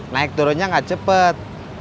naik turunnya gak cepet